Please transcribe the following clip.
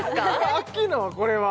アッキーナはこれは？